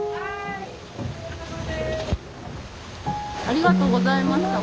ありがとうござました。